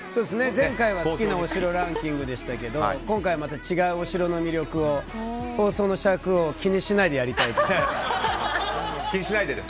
前回は好きなお城ランキングでしたけど今回はまた違うお城の魅力を放送の尺を気にしないでやりたいと思います。